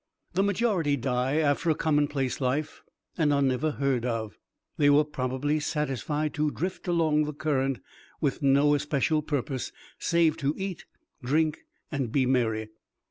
The majority die after a commonplace life, and are never heard of; they were probably satisfied to drift along the current, with no especial purpose, save to eat, drink, and be merry.